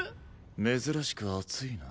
珍しく熱いな。